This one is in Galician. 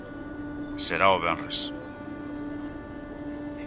Será o venres.